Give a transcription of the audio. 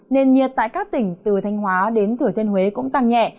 nên nhiệt tại các tỉnh từ thanh hóa đến thửa thiên huế cũng tăng nhẹ